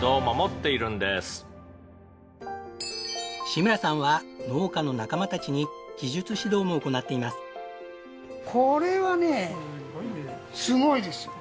志村さんは農家の仲間たちに技術指導も行っています。